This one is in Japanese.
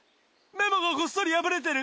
メモがごっそり破れてる！